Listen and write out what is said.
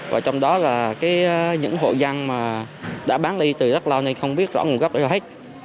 và trong đó là những hộ dân mà đã bán đi từ rất lâu nay không biết rõ nguồn gốc đâu hết